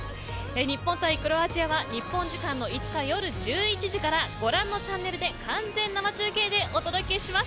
日本対クロアチアは日本時間の５日、夜１１時からご覧のチャンネルで完全生中継でお届けします。